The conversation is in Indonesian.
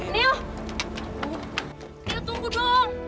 niel tunggu dong